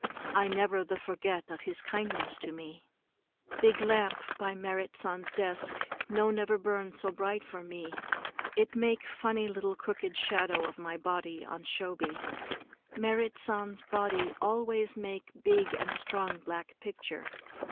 I never the forget of his kindness to me. Big lamp by Merrit San's desk no never burn so bright for me. It make funny little crooked shadow of my body on shoji. Merrit San's body always make big and strong black picture.